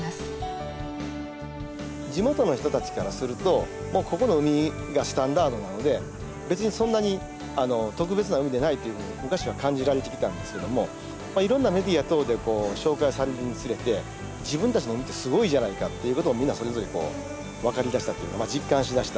地元の人たちからするともうここの海がスタンダードなので別にそんなに特別な海でないっていうふうに昔は感じられてきたんですけどもいろんなメディア等で紹介されるにつれて自分たちの海ってすごいじゃないかっていうことをみんなそれぞれ分かりだしたというか実感しだしたっていうのはありますね。